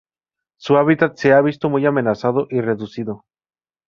Su hábitat se ha visto muy amenazado y reducido.